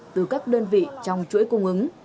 từ các đơn vị trong chuỗi cung ứng